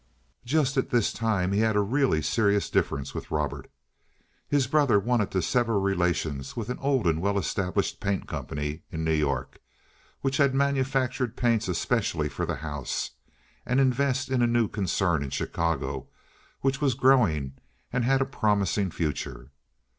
Just at this time he had a really serious difference with Robert. His brother wanted to sever relations with an old and well established paint company in New York, which had manufactured paints especially for the house, and invest in a new concern in Chicago, which was growing and had a promising future.